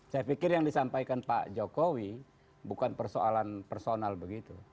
saya pikir yang disampaikan pak jokowi bukan persoalan personal begitu